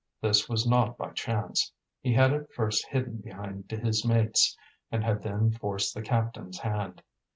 This was not by chance; he had at first hidden behind his mates, and had then forced the captain's hand.